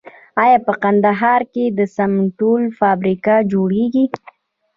آیا په کندهار کې د سمنټو فابریکه جوړیږي؟